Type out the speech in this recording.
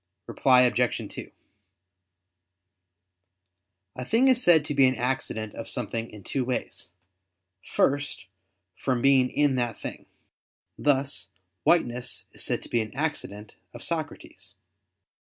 Reply Obj. 2: A thing is said to be an accident of something in two ways. First, from being in that thing: thus, whiteness is said to be an accident of Socrates.